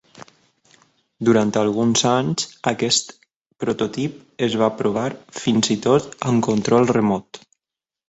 Durant alguns anys, aquest prototip es va provar fins i tot amb control remot.